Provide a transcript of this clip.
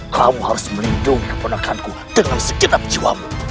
kamu harus melindungi keponakan ku dengan sejenak jiwamu